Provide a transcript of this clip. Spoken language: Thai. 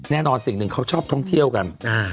แน่นอนสิ่งหนึ่งเค้าชอบท่องเที่ยวกัน